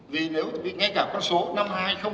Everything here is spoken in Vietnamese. vì nếu nghe cả con số năm hai nghìn một mươi chín